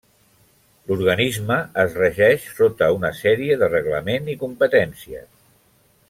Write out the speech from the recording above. L'organisme es regeix sota una sèrie de Reglament i competències.